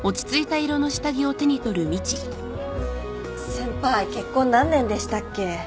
先輩結婚何年でしたっけ？